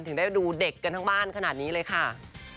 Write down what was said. ถึงได้ดูเด็กกันทั้งบ้านขนาดนี้เลยค่ะ